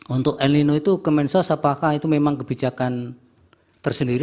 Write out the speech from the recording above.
untuk el nino itu kemensos apakah itu memang kebijakan tersendiri